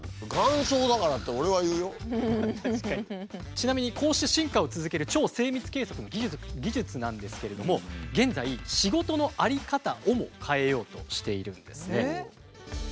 ちなみにこうして進化を続ける超精密計測の技術なんですけれども現在仕事の在り方をも変えようとしているんですね。